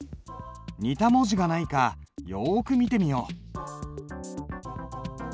似た文字がないかよく見てみよう。